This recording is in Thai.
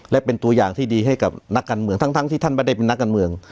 และเป็นตัวอย่างที่ดีให้กับนักการเมืองทั้งที่ท่านไม่ได้เป็นนักการเมือง